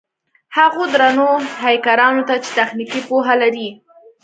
هغو درنو هېکرانو ته چې تخنيکي پوهه لري.